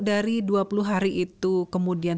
dari dua puluh hari itu kemudian